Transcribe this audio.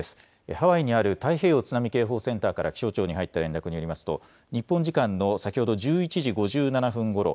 ハワイにある太平洋津波警報センターから気象庁に入った連絡によりますと日本時間の先ほど１１時５７分ごろ